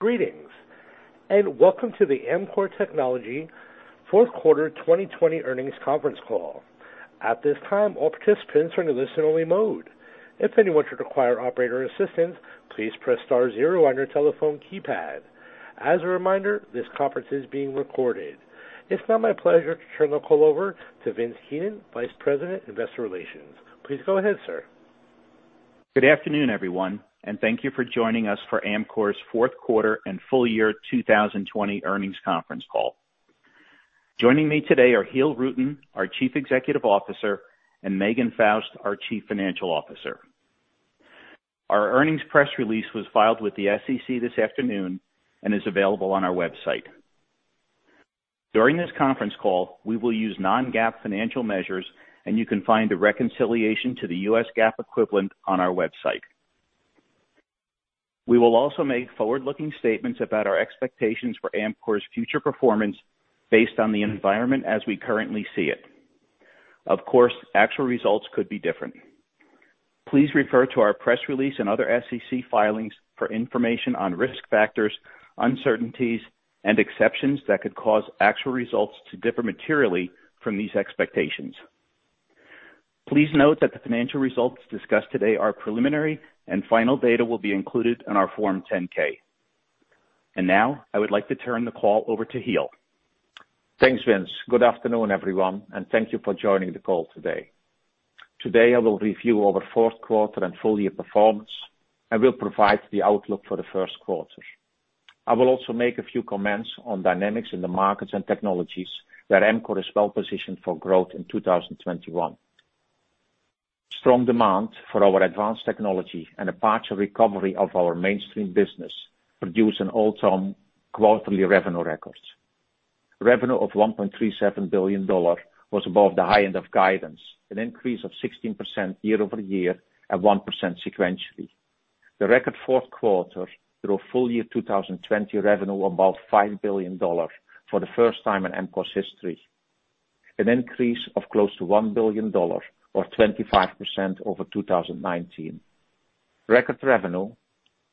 Greetings, and welcome to the Amkor Technology fourth quarter 2020 earnings conference call. At this time, all participants are in listen-only mode. If anyone should require operator's assistance, please press star zero on your telephone keypad. As a reminder, this conference is being recorded. It's now my pleasure to turn the call over to Vince Keenan, Vice President, Investor Relations. Please go ahead, sir. Good afternoon, everyone, thank you for joining us for Amkor's Fourth Quarter and Full Year 2020 Earnings Conference Call. Joining me today are Giel Rutten, our Chief Executive Officer, and Megan Faust, our Chief Financial Officer. Our earnings press release was filed with the SEC this afternoon and is available on our website. During this conference call, we will use non-GAAP financial measures, and you can find a reconciliation to the US GAAP equivalent on our website. We will also make forward-looking statements about our expectations for Amkor's future performance based on the environment as we currently see it. Of course, actual results could be different. Please refer to our press release and other SEC filings for information on risk factors, uncertainties, and exceptions that could cause actual results to differ materially from these expectations. Please note that the financial results discussed today are preliminary, and final data will be included in our Form 10-K. Now, I would like to turn the call over to Giel. Thanks, Vince. Good afternoon, everyone, and thank you for joining the call today. Today, I will review our fourth quarter and full year performance and will provide the outlook for the first quarter. I will also make a few comments on dynamics in the markets and technologies where Amkor is well-positioned for growth in 2021. Strong demand for our advanced technology and a partial recovery of our mainstream business produced an all-time quarterly revenue record. Revenue of $1.37 billion was above the high end of guidance, an increase of 16% year-over-year, and 1% sequentially. The record fourth quarter drove full year 2020 revenue above $5 billion for the first time in Amkor's history, an increase of close to $1 billion or 25% over 2019. Record revenue,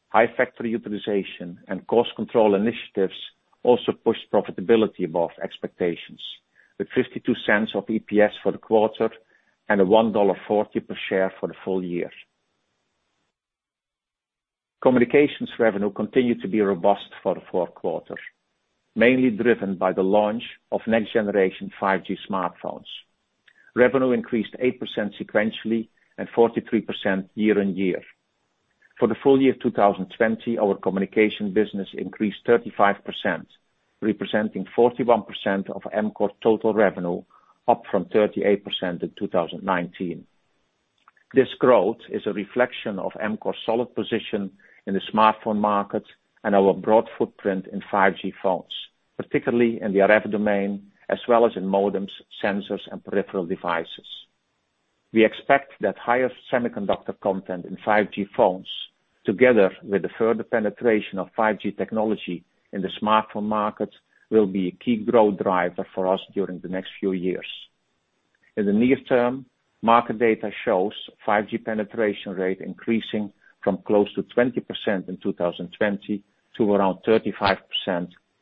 high factory utilization, and cost control initiatives also pushed profitability above expectations, with $0.52 of EPS for the quarter and a $1.40 per share for the full year. Communications revenue continued to be robust for the fourth quarter, mainly driven by the launch of next-generation 5G smartphones. Revenue increased 8% sequentially and 43% year-on-year. For the full year of 2020, our communication business increased 35%, representing 41% of Amkor's total revenue, up from 38% in 2019. This growth is a reflection of Amkor's solid position in the smartphone market and our broad footprint in 5G phones, particularly in the RF domain, as well as in modems, sensors, and peripheral devices. We expect that higher semiconductor content in 5G phones, together with the further penetration of 5G technology in the smartphone market, will be a key growth driver for us during the next few years. In the near term, market data shows 5G penetration rate increasing from close to 20% in 2020 to around 35%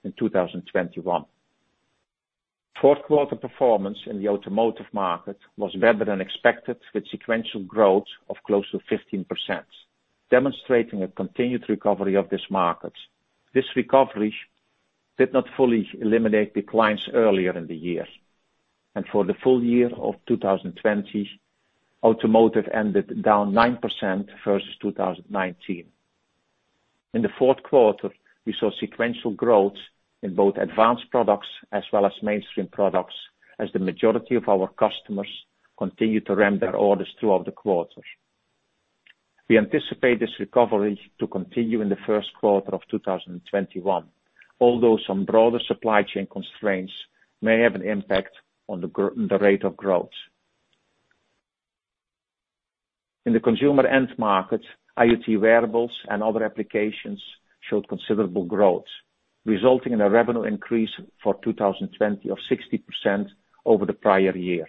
in 2021. Fourth quarter performance in the automotive market was better than expected, with sequential growth of close to 15%, demonstrating a continued recovery of this market. This recovery did not fully eliminate declines earlier in the year. For the full year of 2020, automotive ended down 9% versus 2019. In the fourth quarter, we saw sequential growth in both advanced products as well as mainstream products as the majority of our customers continued to ramp their orders throughout the quarter. We anticipate this recovery to continue in the first quarter of 2021, although some broader supply chain constraints may have an impact on the rate of growth. In the consumer end market, IoT wearables and other applications showed considerable growth, resulting in a revenue increase for 2020 of 60% over the prior year.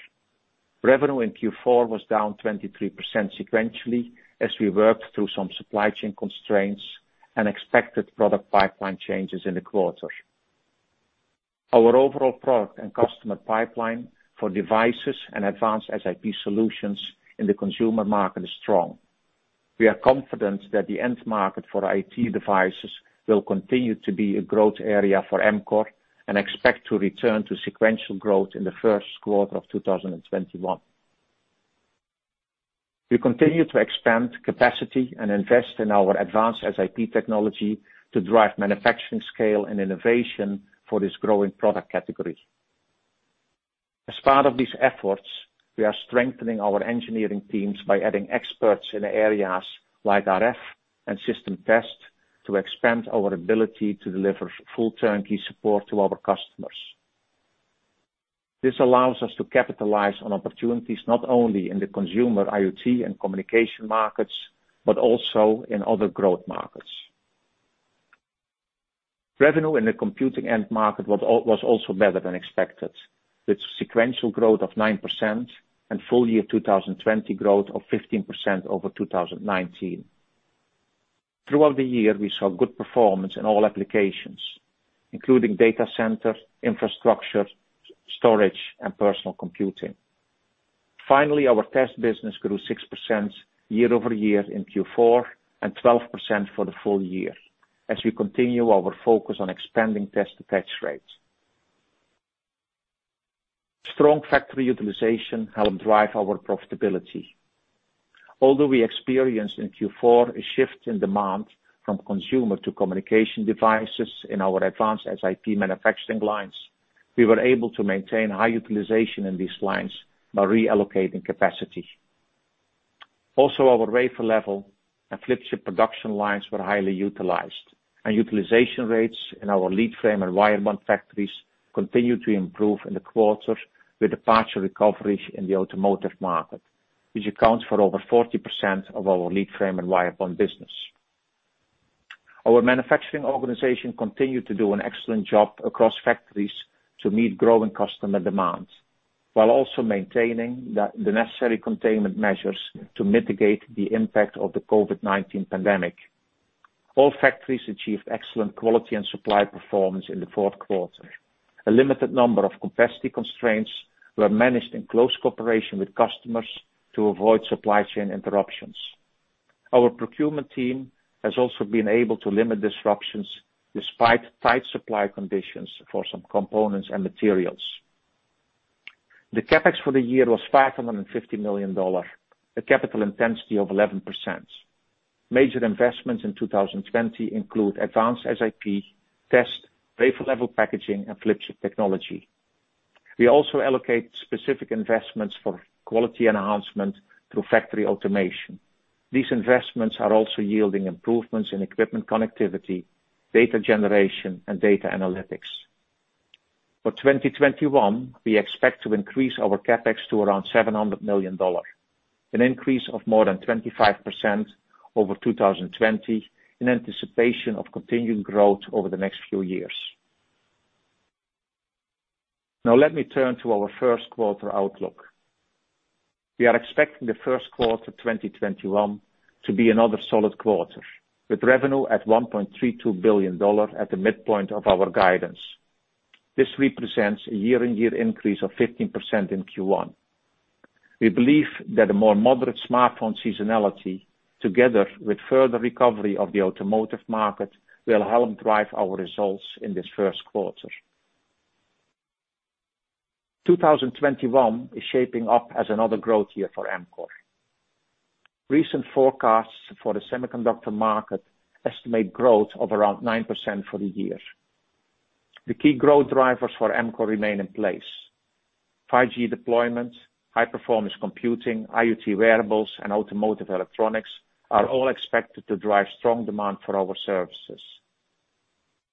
Revenue in Q4 was down 23% sequentially as we worked through some supply chain constraints and expected product pipeline changes in the quarter. Our overall product and customer pipeline for devices and advanced SiP solutions in the consumer market is strong. We are confident that the end market for IoT devices will continue to be a growth area for Amkor and expect to return to sequential growth in the first quarter of 2021. We continue to expand capacity and invest in our advanced SiP technology to drive manufacturing scale and innovation for this growing product category. As part of these efforts, we are strengthening our engineering teams by adding experts in areas like RF and system test to expand our ability to deliver full turnkey support to our customers. This allows us to capitalize on opportunities not only in the consumer IoT and communication markets, but also in other growth markets. Revenue in the computing end market was also better than expected, with sequential growth of 9% and full year 2020 growth of 15% over 2019. Throughout the year, we saw good performance in all applications, including data center, infrastructure, storage, and personal computing. Finally, our test business grew 6% year-over-year in Q4, and 12% for the full year as we continue our focus on expanding test attach rates. Strong factory utilization helped drive our profitability. Although we experienced in Q4 a shift in demand from consumer to communication devices in our advanced SiP manufacturing lines, we were able to maintain high utilization in these lines by reallocating capacity. Also, our wafer level and flip chip production lines were highly utilized. Utilization rates in our lead frame and wire bond factories continued to improve in the quarter with the partial recovery in the automotive market, which accounts for over 40% of our lead frame and wire bond business. Our manufacturing organization continued to do an excellent job across factories to meet growing customer demands, while also maintaining the necessary containment measures to mitigate the impact of the COVID-19 pandemic. All factories achieved excellent quality and supply performance in the fourth quarter. A limited number of capacity constraints were managed in close cooperation with customers to avoid supply chain interruptions. Our procurement team has also been able to limit disruptions despite tight supply conditions for some components and materials. The CapEx for the year was $550 million, a capital intensity of 11%. Major investments in 2020 include advanced SiP, test, wafer-level packaging, and flip chip technology. We also allocate specific investments for quality enhancement through factory automation. These investments are also yielding improvements in equipment connectivity, data generation, and data analytics. For 2021, we expect to increase our CapEx to around $700 million, an increase of more than 25% over 2020 in anticipation of continued growth over the next few years. Now let me turn to our first quarter outlook. We are expecting the first quarter 2021 to be another solid quarter, with revenue at $1.32 billion at the midpoint of our guidance. This represents a year-on-year increase of 15% in Q1. We believe that a more moderate smartphone seasonality together with further recovery of the automotive market, will help drive our results in this first quarter. 2021 is shaping up as another growth year for Amkor. Recent forecasts for the semiconductor market estimate growth of around 9% for the year. The key growth drivers for Amkor remain in place. 5G deployment, high-performance computing, IoT wearables, and automotive electronics are all expected to drive strong demand for our services.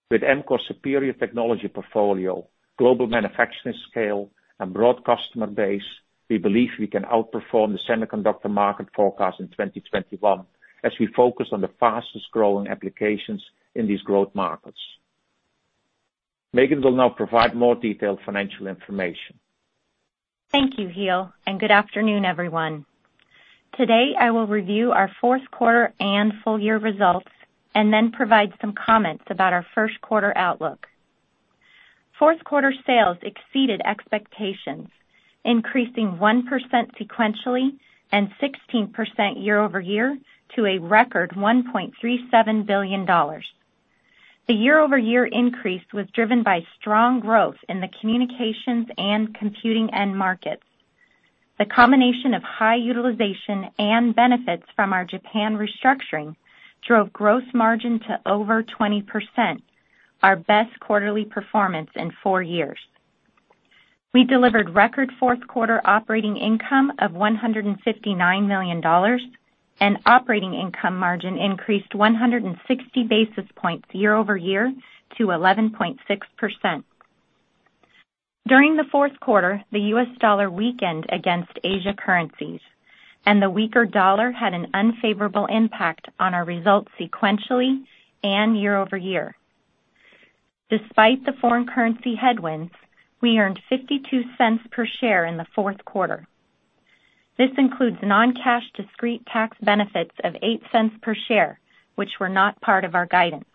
With Amkor's superior technology portfolio, global manufacturing scale, and broad customer base, we believe we can outperform the semiconductor market forecast in 2021 as we focus on the fastest-growing applications in these growth markets. Megan will now provide more detailed financial information. Thank you, Giel. Good afternoon, everyone. Today, I will review our fourth quarter and full year results, then provide some comments about our first quarter outlook. Fourth quarter sales exceeded expectations, increasing 1% sequentially and 16% year-over-year to a record $1.37 billion. The year-over-year increase was driven by strong growth in the communications and computing end markets. The combination of high utilization and benefits from our Japan restructuring drove gross margin to over 20%, our best quarterly performance in four years. We delivered record fourth quarter operating income of $159 million, and operating income margin increased 160 basis points year-over-year to 11.6%. During the fourth quarter, the U.S. dollar weakened against Asia currencies, and the weaker dollar had an unfavorable impact on our results sequentially and year-over-year. Despite the foreign currency headwinds, we earned $0.52 per share in the fourth quarter. This includes non-cash discrete tax benefits of $0.08 per share, which were not part of our guidance.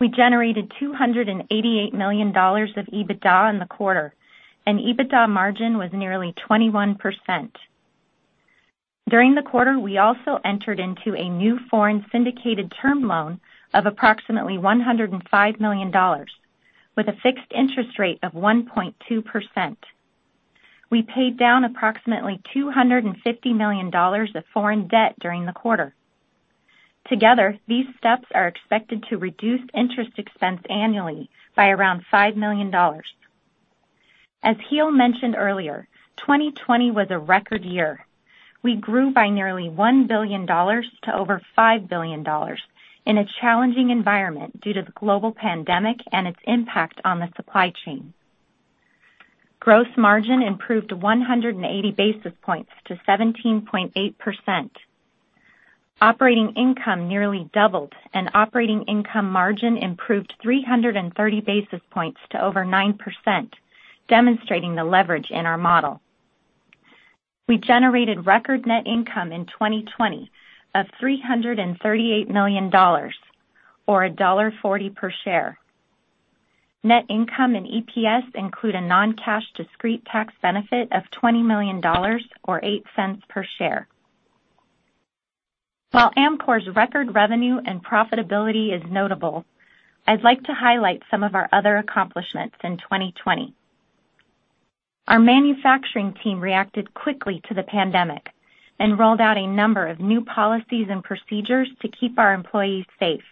We generated $288 million of EBITDA in the quarter, and EBITDA margin was nearly 21%. During the quarter, we also entered into a new foreign syndicated term loan of approximately $105 million, with a fixed interest rate of 1.2%. We paid down approximately $250 million of foreign debt during the quarter. Together, these steps are expected to reduce interest expense annually by around $5 million. As Giel mentioned earlier, 2020 was a record year. We grew by nearly $1 billion to over $5 billion in a challenging environment due to the global pandemic and its impact on the supply chain. Gross margin improved 180 basis points to 17.8%. Operating income nearly doubled, operating income margin improved 330 basis points to over 9%, demonstrating the leverage in our model. We generated record net income in 2020 of $338 million, or $1.40 per share. Net income and EPS include a non-cash discrete tax benefit of $20 million or $0.08 per share. While Amkor's record revenue and profitability is notable, I'd like to highlight some of our other accomplishments in 2020. Our manufacturing team reacted quickly to the pandemic and rolled out a number of new policies and procedures to keep our employees safe.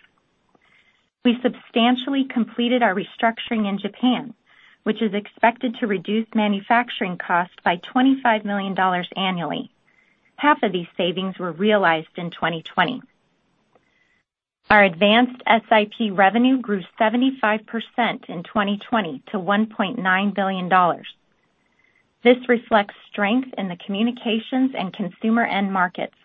We substantially completed our restructuring in Japan, which is expected to reduce manufacturing costs by $25 million annually. Half of these savings were realized in 2020. Our advanced SiP revenue grew 75% in 2020 to $1.9 billion. This reflects strength in the communications and consumer end markets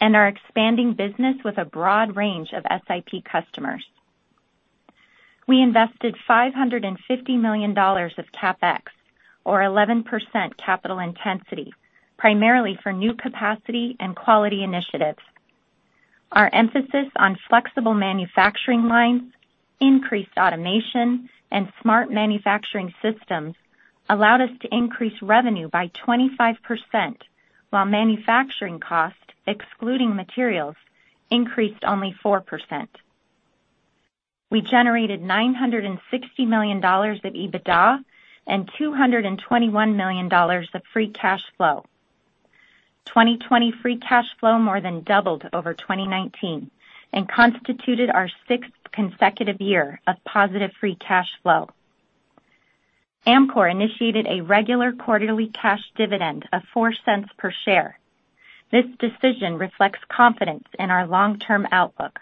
and our expanding business with a broad range of SiP customers. We invested $550 million of CapEx, or 11% capital intensity, primarily for new capacity and quality initiatives. Our emphasis on flexible manufacturing lines, increased automation, and smart manufacturing systems allowed us to increase revenue by 25%, while manufacturing cost, excluding materials, increased only 4%. We generated $960 million of EBITDA and $221 million of free cash flow. 2020 free cash flow more than doubled over 2019 and constituted our sixth consecutive year of positive free cash flow. Amkor initiated a regular quarterly cash dividend of $0.04 per share. This decision reflects confidence in our long-term outlook.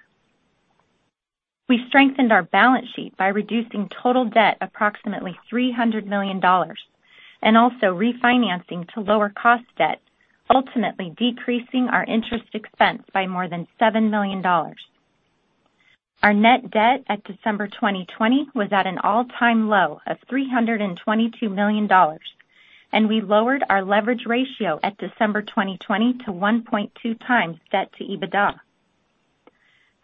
We strengthened our balance sheet by reducing total debt approximately $300 million and also refinancing to lower cost debt, ultimately decreasing our interest expense by more than $7 million. Our net debt at December 2020 was at an all-time low of $322 million, and we lowered our leverage ratio at December 2020 to 1.2x debt to EBITDA.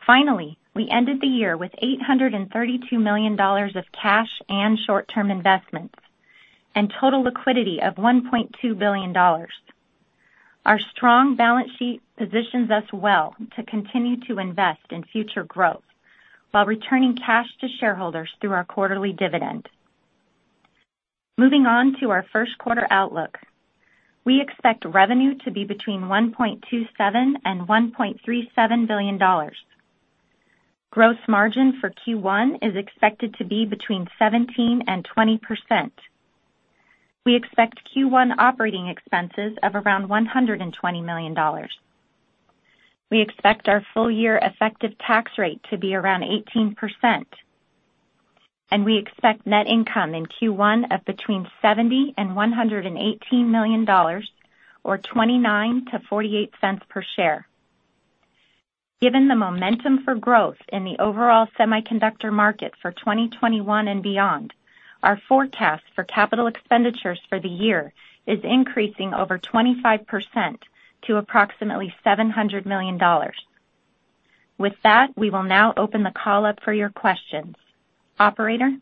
Finally, we ended the year with $832 million of cash and short-term investments and total liquidity of $1.2 billion. Our strong balance sheet positions us well to continue to invest in future growth while returning cash to shareholders through our quarterly dividend. Moving on to our first quarter outlook. We expect revenue to be between $1.27 billion and $1.37 billion. Gross margin for Q1 is expected to be between 17% and 20%. We expect Q1 operating expenses of around $120 million. We expect our full year effective tax rate to be around 18%, and we expect net income in Q1 of between $70 million and $118 million or $0.29-$0.48 per share. Given the momentum for growth in the overall semiconductor market for 2020 and beyond, our forecast for capital expenditures for the year is increasing over 25% to approximately $700 million. With that, we will now open the call up for your questions. Operator?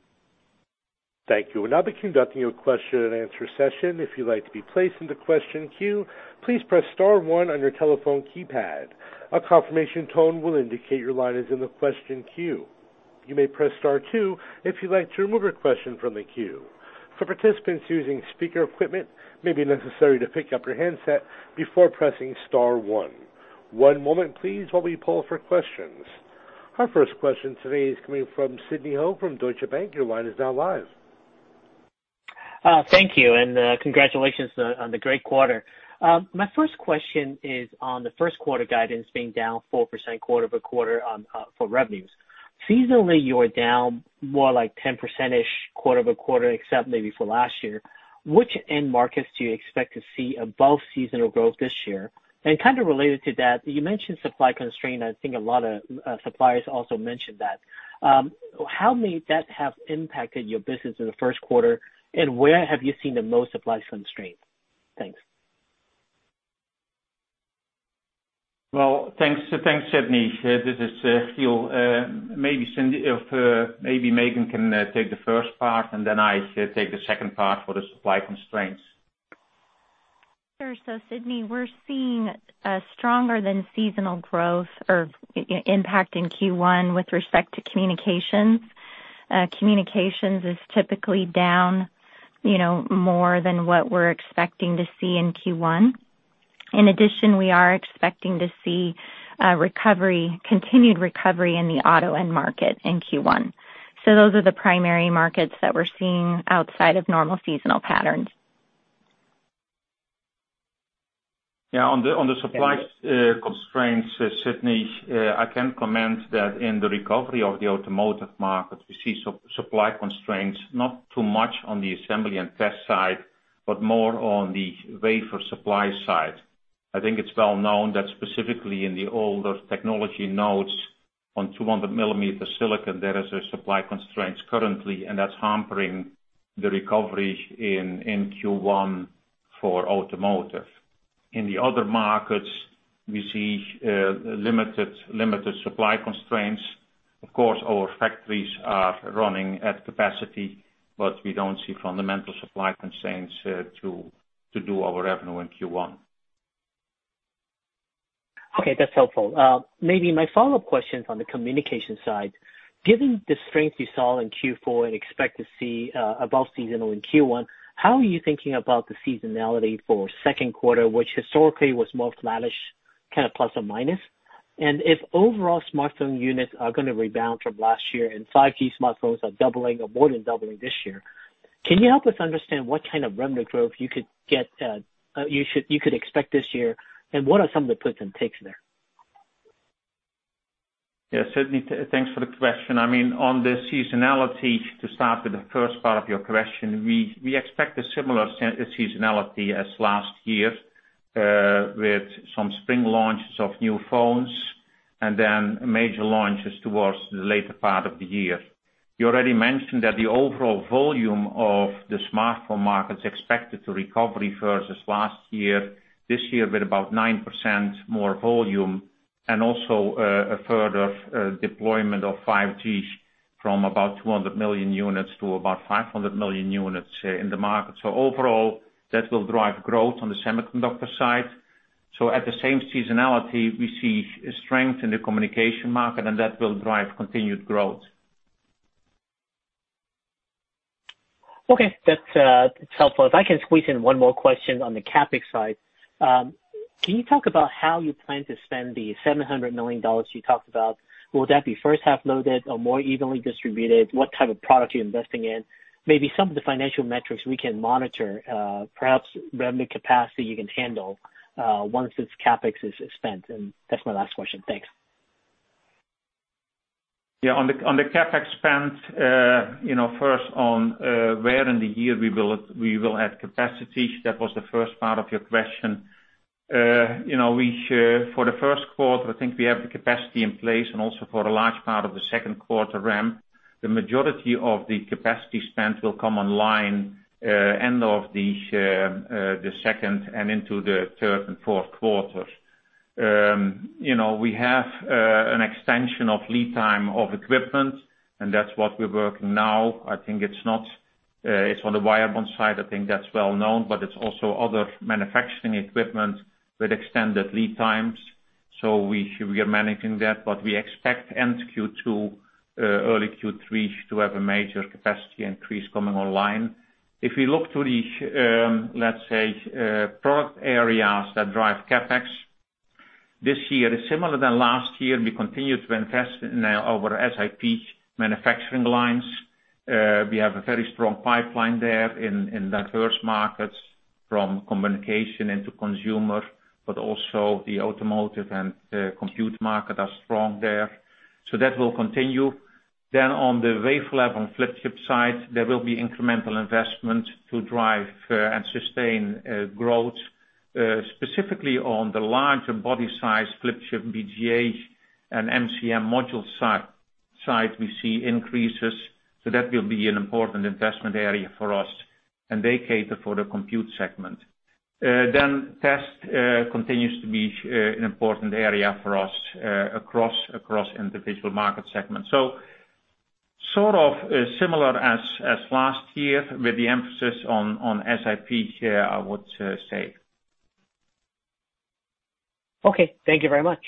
Thank you. We'll now be conducting a question-and-answer session. If you'd like to be placed in the question queue, please press star one on your telephone keypad. A confirmation tone will indicate your line is in the question queue. You may press star two if you'd like to remove a question from the queue. For participants using speaker equipment, it may be necessary to pick up your handset before pressing star one. One moment please while we pull for questions. Our first question today is coming from Sidney Ho from Deutsche Bank. Your line is now live. Thank you, and congratulations on the great quarter. My first question is on the first quarter guidance being down 4% quarter-over-quarter for revenues. Seasonally, you're down more like 10%-ish quarter-over-quarter, except maybe for last year. Which end markets do you expect to see above seasonal growth this year? Kind of related to that, you mentioned supply constraint. I think a lot of suppliers also mentioned that. How may that have impacted your business in the first quarter, and where have you seen the most supply constraints? Thanks. Well, thanks, Sidney. This is Giel. Maybe Megan can take the first part, and then I take the second part for the supply constraints. Sure. Sidney, we're seeing a stronger than seasonal growth or impact in Q1 with respect to communications. Communications is typically down more than what we're expecting to see in Q1. In addition, we are expecting to see continued recovery in the auto end market in Q1. Those are the primary markets that we're seeing outside of normal seasonal patterns. On the supply constraints, Sidney, I can comment that in the recovery of the automotive market, we see supply constraints, not too much on the assembly and test side, but more on the wafer supply side. I think it's well known that specifically in the older technology nodes on 200-millimeter silicon, there is a supply constraint currently, and that's hampering the recovery in Q1 for automotive. In the other markets, we see limited supply constraints. Of course, our factories are running at capacity, but we don't see fundamental supply constraints to do our revenue in Q1. Okay, that's helpful. Maybe my follow-up question is on the communication side. Given the strength you saw in Q4 and expect to see above seasonal in Q1, how are you thinking about the seasonality for second quarter, which historically was more flattish, kind of plus or minus? If overall smartphone units are going to rebound from last year and 5G smartphones are doubling or more than doubling this year, can you help us understand what kind of revenue growth you could expect this year, and what are some of the puts and takes there? Yeah, Sidney, thanks for the question. On the seasonality, to start with the first part of your question, we expect a similar seasonality as last year, with some spring launches of new phones and then major launches towards the later part of the year. You already mentioned that the overall volume of the smartphone market is expected to recover versus last year, this year with about 9% more volume, and also a further deployment of 5G from about 200 million units to about 500 million units in the market. Overall, that will drive growth on the semiconductor side. At the same seasonality, we see strength in the communication market, and that will drive continued growth. Okay, that's helpful. If I can squeeze in one more question on the CapEx side. Can you talk about how you plan to spend the $700 million you talked about? Will that be first half loaded or more evenly distributed? What type of product are you investing in? Maybe some of the financial metrics we can monitor, perhaps revenue capacity you can handle, once this CapEx is spent. That's my last question. Thanks. Yeah, on the CapEx spend, first on where in the year we will add capacity. That was the first part of your question. For the first quarter, I think we have the capacity in place and also for a large part of the second quarter ramp. The majority of the capacity spend will come online end of the second and into the third and fourth quarters. We have an extension of lead time of equipment, and that's what we're working now. It's on the wire bond side, I think that's well known, but it's also other manufacturing equipment with extended lead times. We are managing that, but we expect end Q2, early Q3 to have a major capacity increase coming online. If we look to the, let's say, product areas that drive CapEx, this year is similar than last year. We continue to invest in our SiP manufacturing lines. We have a very strong pipeline there in diverse markets from communication into consumer, but also the automotive and compute market are strong there. That will continue. On the wafer-level and flip chip side, there will be incremental investment to drive and sustain growth, specifically on the larger body size flip chip BGA and MCM module side, we see increases. That will be an important investment area for us, and they cater for the compute segment. Test continues to be an important area for us across individual market segments. Sort of similar as last year with the emphasis on SiP here, I would say. Okay. Thank you very much.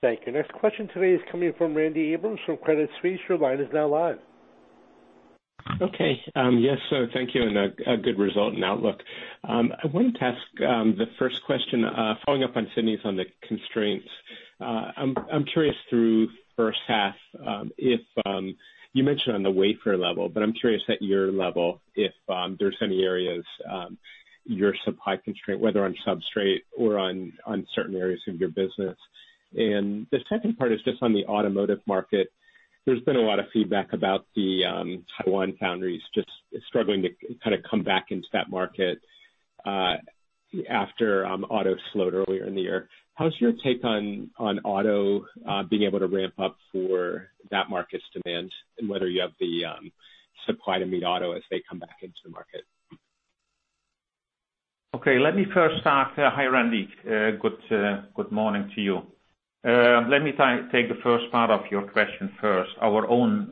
Thank you. Next question today is coming from Randy Abrams from Credit Suisse. Your line is now live. Thank you, and a good result and outlook. I wanted to ask the first question, following up on Sidney's on the constraints. I'm curious through first half, you mentioned on the wafer level, I'm curious at your level if there's any areas your supply constraint, whether on substrate or on certain areas of your business. The second part is just on the automotive market. There's been a lot of feedback about the Taiwan foundries just struggling to kind of come back into that market after auto slowed earlier in the year. How is your take on auto being able to ramp up for that market's demand and whether you have the supply to meet auto as they come back into the market? Let me first start. Hi, Randy. Good morning to you. Let me take the first part of your question first. Our own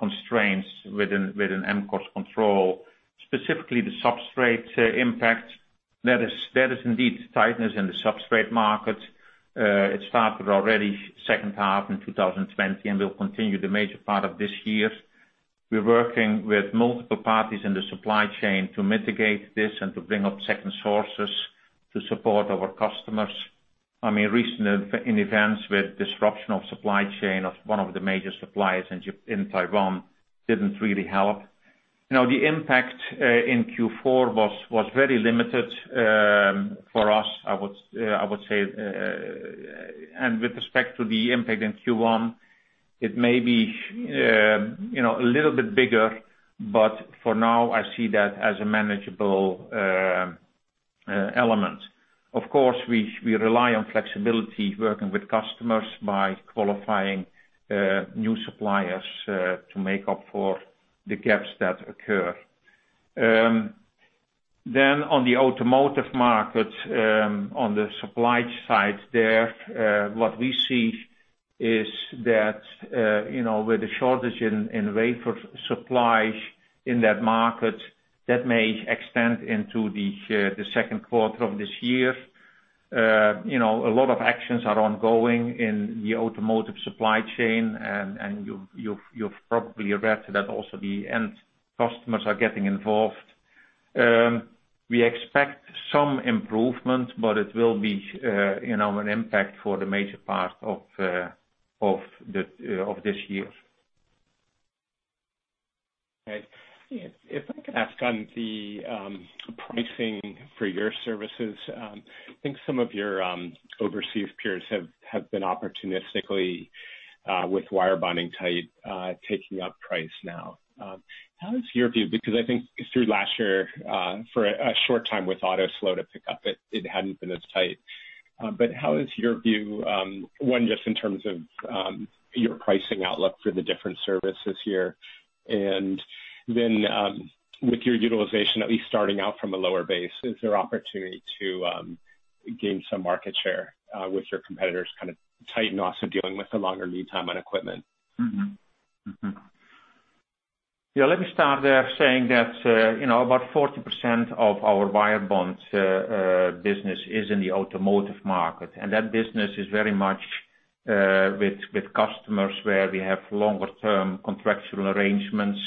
constraints within Amkor's control, specifically the substrate impact. There is indeed tightness in the substrate market. It started already second half in 2020, and will continue the major part of this year. We're working with multiple parties in the supply chain to mitigate this and to bring up second sources to support our customers. I mean, recent events with disruption of supply chain of one of the major suppliers in Taiwan didn't really help. The impact, in Q4 was very limited for us, I would say. With respect to the impact in Q1, it may be a little bit bigger, but for now, I see that as a manageable element. Of course, we rely on flexibility working with customers by qualifying new suppliers to make up for the gaps that occur. On the automotive market, on the supply side there, what we see is that, with the shortage in wafer supply in that market, that may extend into the second quarter of this year. A lot of actions are ongoing in the automotive supply chain, and you've probably read that also the end customers are getting involved. We expect some improvement, but it will be an impact for the major part of this year. Right. If I could ask on the pricing for your services. I think some of your overseas peers have been opportunistically, with wire bonding tight, taking up price now. How is your view? Because I think through last year, for a short time with auto slow to pick up, it hadn't been as tight. How is your view, one, just in terms of your pricing outlook for the different services here? And then, with your utilization at least starting out from a lower base, is there opportunity to gain some market share with your competitors kind of tight and also dealing with the longer lead time on equipment? Yeah, let me start there saying that about 40% of our wire bond business is in the automotive market, and that business is very much with customers where we have longer-term contractual arrangements.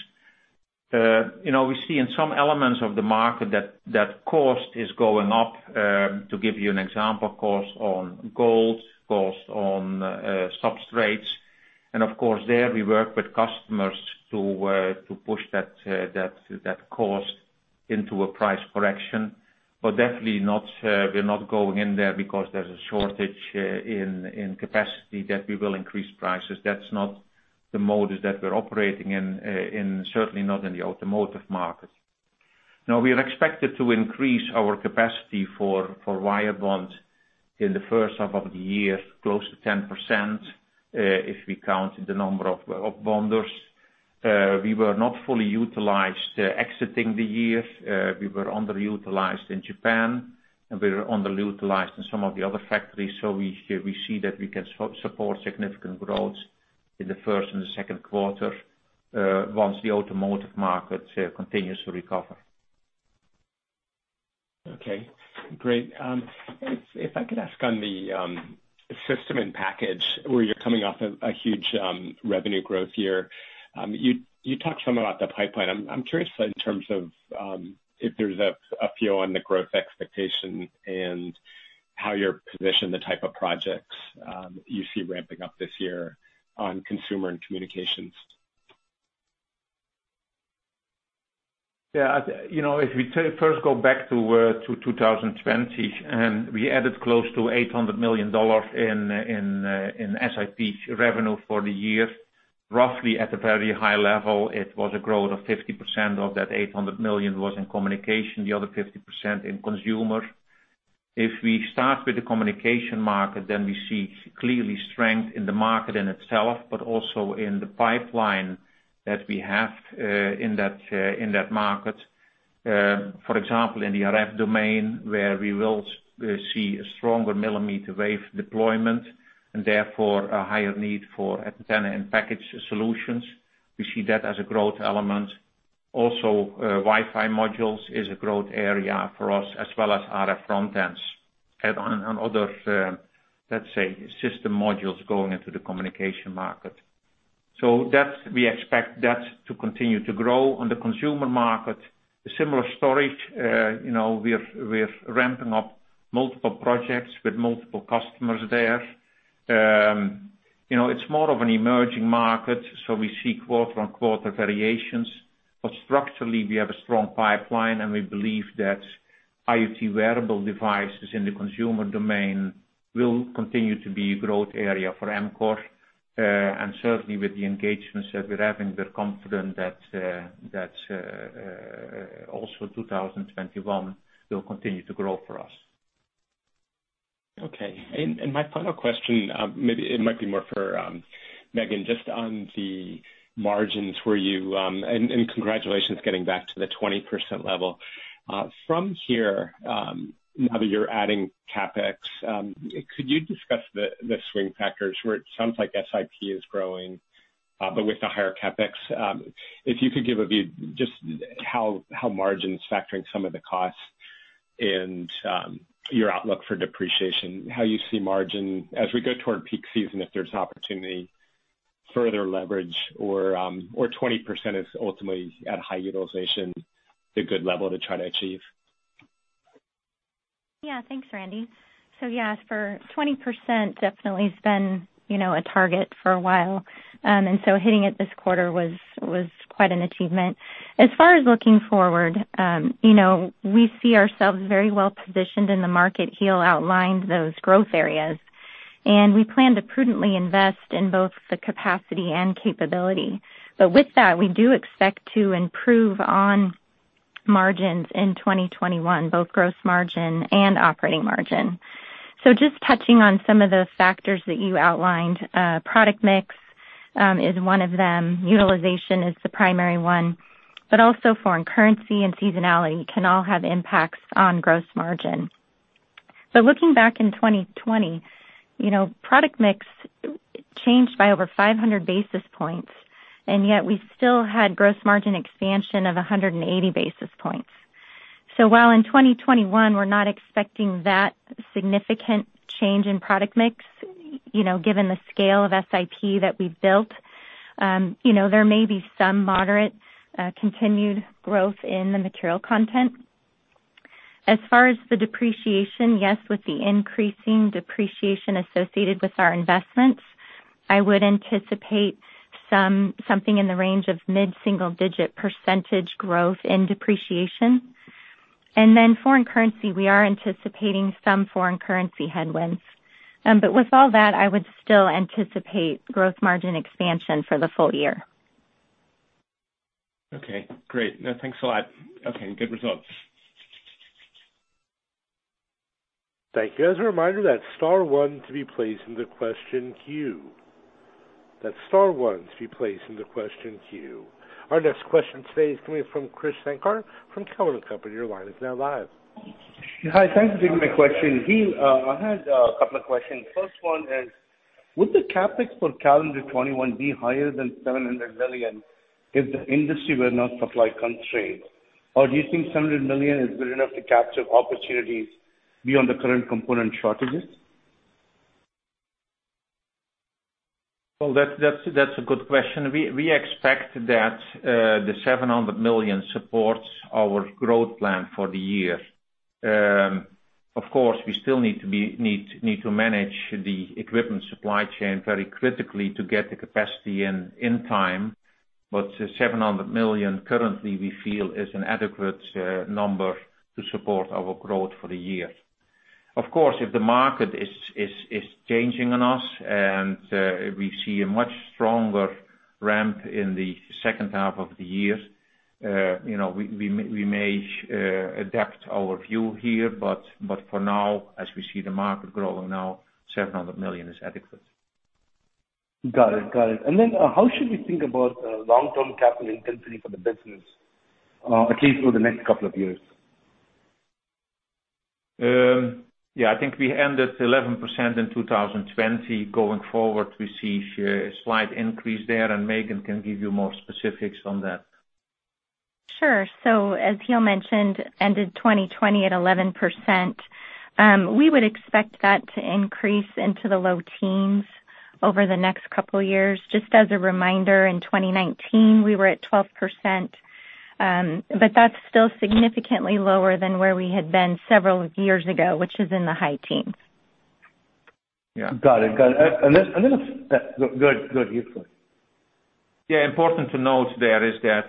We see in some elements of the market that cost is going up. To give you an example, cost on gold, cost on substrates. Of course, there we work with customers to push that cost into a price correction. Definitely we're not going in there because there's a shortage in capacity that we will increase prices. That's not the modus that we're operating in, certainly not in the automotive market. We are expected to increase our capacity for wire bond in the first half of the year, close to 10%, if we count the number of bonders. We were not fully utilized exiting the year. We were underutilized in Japan, and we were underutilized in some of the other factories. We see that we can support significant growth in the first and the second quarter, once the automotive market continues to recover. Okay, great. If I could ask on the System-in-Package, where you're coming off a huge revenue growth year. You talked some about the pipeline. I'm curious in terms of if there's a feel on the growth expectation and how you're positioned, the type of projects you see ramping up this year on consumer and communications? Yeah. If we first go back to 2020, we added close to $800 million in SiP revenue for the year. Roughly at a very high level, it was a growth of 50% of that $800 million was in communication, the other 50% in consumer. If we start with the communication market, we see clearly strength in the market in itself, but also in the pipeline that we have in that market. For example, in the RF domain, where we will see a stronger millimeter wave deployment, and therefore a higher need for antenna and package solutions. We see that as a growth element. Also, Wi-Fi modules is a growth area for us, as well as RF front ends and other, let's say, system modules going into the communication market. We expect that to continue to grow. On the consumer market, a similar story. We're ramping up multiple projects with multiple customers there. It's more of an emerging market, so we see quarter-on-quarter variations. Structurally, we have a strong pipeline, and we believe that IoT wearable devices in the consumer domain will continue to be a growth area for Amkor. Certainly with the engagements that we're having, we're confident that also 2021 will continue to grow for us. My final question, it might be more for Megan, just on the margins for you. Congratulations getting back to the 20% level. From here, now that you're adding CapEx, could you discuss the swing factors, where it sounds like SiP is growing, but with the higher CapEx? If you could give a view just how margin's factoring some of the costs and your outlook for depreciation, how you see margin as we go toward peak season, if there's an opportunity further leverage or 20% is ultimately at high utilization, the good level to try to achieve? Yeah. Thanks, Randy. Yes, for 20%, definitely has been a target for a while. Hitting it this quarter was quite an achievement. As far as looking forward, we see ourselves very well positioned in the market. Giel outlined those growth areas, and we plan to prudently invest in both the capacity and capability. With that, we do expect to improve on margins in 2021, both gross margin and operating margin. Just touching on some of the factors that you outlined, product mix, is one of them. Utilization is the primary one, but also foreign currency and seasonality can all have impacts on gross margin. Looking back in 2020, product mix changed by over 500 basis points, and yet we still had gross margin expansion of 180 basis points. While in 2021, we're not expecting that significant change in product mix, given the scale of SiP that we've built, there may be some moderate, continued growth in the material content. As far as the depreciation, yes, with the increasing depreciation associated with our investments, I would anticipate something in the range of mid-single-digit percentage growth in depreciation. Foreign currency, we are anticipating some foreign currency headwinds. With all that, I would still anticipate gross margin expansion for the full year. Okay, great. No, thanks a lot. Okay. Good results. Thank you. As a reminder, that's star one to be placed into question queue. That's star one to be placed into question queue. Our next question today is coming from Krish Sankar from Cowen and Company. Your line is now live. Hi. Thank you for taking my question. Giel, I had a couple of questions. First one is, would the CapEx for calendar 2021 be higher than $700 million if the industry were not supply-constrained? Or do you think $700 million is good enough to capture opportunities beyond the current component shortages? Well, that's a good question. We expect that the $700 million supports our growth plan for the year. Of course, we still need to manage the equipment supply chain very critically to get the capacity in time. $700 million currently, we feel is an adequate number to support our growth for the year. Of course, if the market is changing on us and we see a much stronger ramp in the second half of the year, we may adapt our view here, but for now, as we see the market growing now, $700 million is adequate. Got it. How should we think about long-term capital intensity for the business, at least through the next couple of years? Yeah, I think we ended 11% in 2020. Going forward, we see a slight increase there, and Megan can give you more specifics on that. Sure. As Giel mentioned, ended 2020 at 11%. We would expect that to increase into the low teens over the next couple of years. Just as a reminder, in 2019, we were at 12%, that's still significantly lower than where we had been several years ago, which is in the high teens. Yeah. Got it. Go ahead, Giel. Yeah, important to note there is that,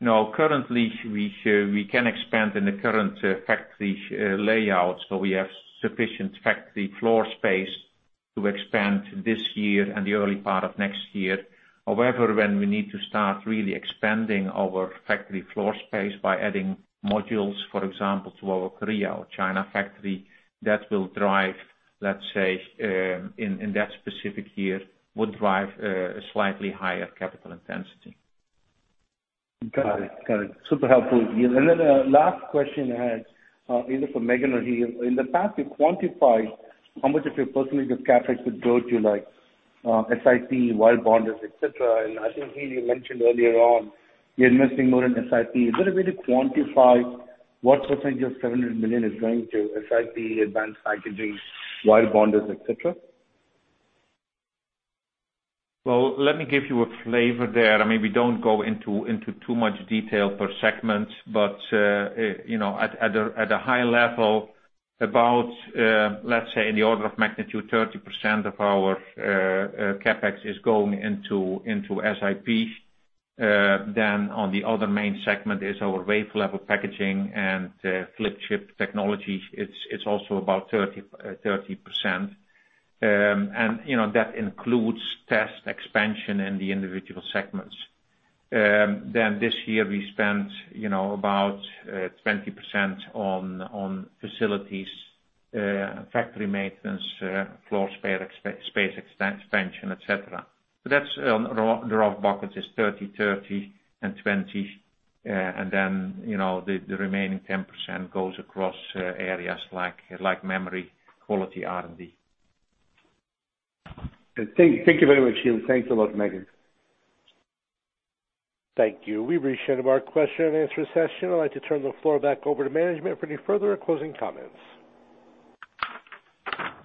currently, we can expand in the current factory layout, so we have sufficient factory floor space to expand this year and the early part of next year. However, when we need to start really expanding our factory floor space by adding modules, for example, to our Korea or China factory, that will drive, let's say, in that specific year, would drive a slightly higher capital intensity. Got it. Super helpful, Giel. Then last question I had, either for Megan or Giel. In the past, you quantified how much of your percentage of CapEx would go to SiP, wirebonds, et cetera. I think, Giel, you mentioned earlier on you're investing more in SiP. Is there a way to quantify what percentage of $700 million is going to SiP, advanced packaging, wirebonds, et cetera? Well, let me give you a flavor there. I maybe don't go into too much detail per segment, but at a high level, about, let's say in the order of magnitude, 30% of our CapEx is going into SiP. On the other main segment is our wafer level packaging and flip chip technology. It's also about 30%. That includes test expansion in the individual segments. This year we spent about 20% on facilities, factory maintenance, floor space expansion, et cetera. That's the rough bucket, is 30%/30% and 20%, and then the remaining 10% goes across areas like memory, quality, R&D. Thank you very much, Giel. Thanks a lot, Megan. Thank you. We've reached the end of our question-and-answer session. I'd like to turn the floor back over to management for any further closing comments.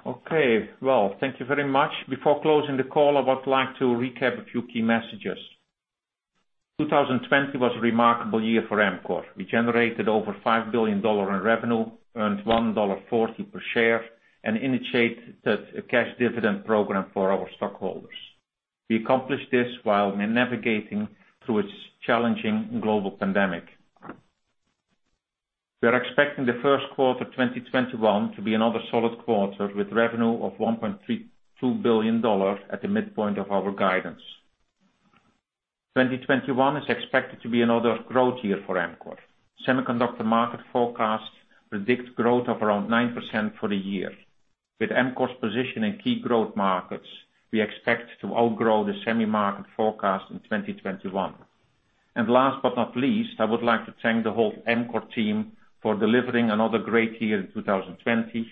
Okay. Well, thank you very much. Before closing the call, I would like to recap a few key messages. 2020 was a remarkable year for Amkor. We generated over $5 billion in revenue, earned $1.40 per share, and initiated a cash dividend program for our stockholders. We accomplished this while navigating through a challenging global pandemic. We're expecting the first quarter 2021 to be another solid quarter with revenue of $1.32 billion at the midpoint of our guidance. 2021 is expected to be another growth year for Amkor. Semiconductor market forecast predicts growth of around 9% for the year. With Amkor's position in key growth markets, we expect to outgrow the semi market forecast in 2021. Last but not least, I would like to thank the whole Amkor team for delivering another great year in 2020,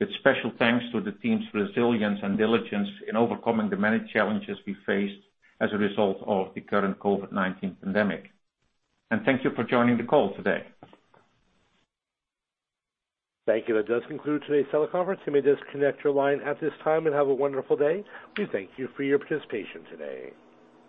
with special thanks to the team's resilience and diligence in overcoming the many challenges we faced as a result of the current COVID-19 pandemic. Thank you for joining the call today. Thank you. That does conclude today's teleconference. You may disconnect your line at this time, and have a wonderful day. We thank you for your participation today.